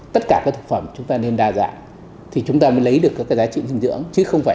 tất cả các thực phẩm chúng ta nên đa dạng thì chúng ta mới lấy được các cái giá trị dinh dưỡng chứ không phải